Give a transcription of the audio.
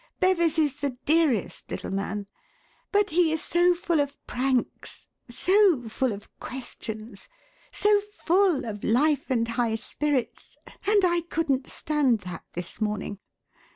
Bevis is the dearest little man! But he is so full of pranks, so full of questions, so full of life and high spirits and I couldn't stand that this morning.